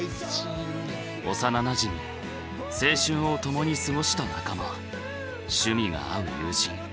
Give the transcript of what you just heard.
幼なじみ青春を共に過ごした仲間趣味が合う友人